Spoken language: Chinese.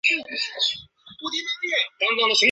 海因里希五世。